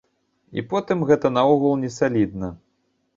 І потым, гэта наогул не салідна.